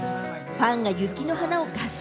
ファンが『雪の華』を合唱。